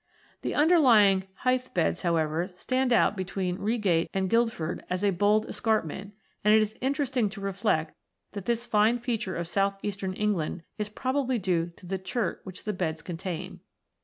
The underlying Hythe Beds, however, stand out between Reigate and Guildford as a bold escarpment, and it is interesting to reflect that this fine feature of south eastern England is probably due to the chert which the beds contain (see p.